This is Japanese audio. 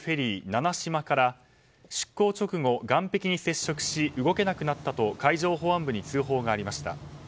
「ななしま」から出港直後、岸壁に接触し動けなくなったと海上保安庁に通報がありました。